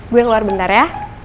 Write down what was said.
gue keluar bentar ya